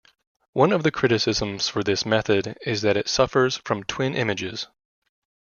One of the criticisms for this method is that it suffers from twin images.